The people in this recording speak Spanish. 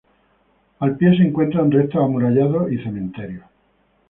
Al pie se encuentran restos amurallados y cementerios.